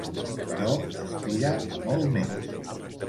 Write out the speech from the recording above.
Però aspira a molt més.